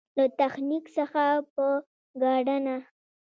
له تخنيک څخه په ګټنه.